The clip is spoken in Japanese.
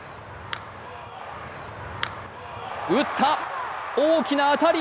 打った、大きな当たり。